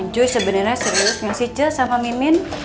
kang nguy sebenarnya serius nggak sih cek sama mimin